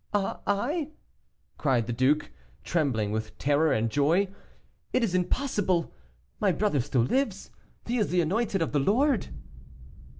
"I! I!" cried the Duke, trembling with joy and terror. "It is impossible! My brother still lives; he is the anointed of the Lord."